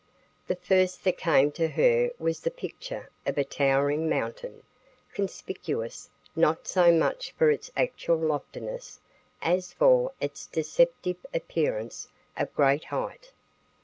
The first that came to her was the picture of a towering mountain, conspicuous not so much for its actual loftiness as for its deceptive appearance of great height.